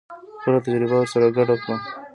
خپله تجربه ورسره ګډه کړو.